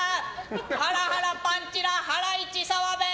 ハラハラパンチラハライチ澤部！